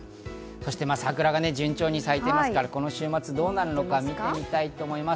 そして桜が順調に咲いてますが、この週末どうなるのか見たいと思います。